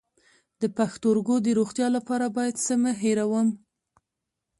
د پښتورګو د روغتیا لپاره باید څه مه هیروم؟